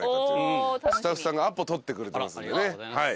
スタッフさんがアポ取ってくれてますんでね。